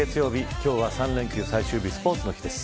今日は３連休最終日スポーツの日です。